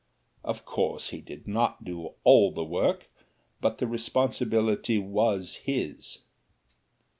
Of course he did not do all the work, but the responsibility was his.